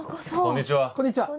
こんにちは。